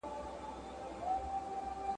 خدای دي نه کړي له سړي څخه لار ورکه !.